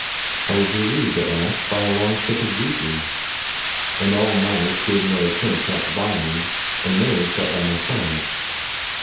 I was relieved at last by a long fit of weeping; and all night good Mary Quince sat by me, and Milly slept by my side.